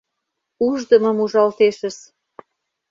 Уждымым ужалтешыс...